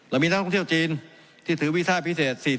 เรามีนักท่องเที่ยวจีนที่ถือวีซ่าพิเศษ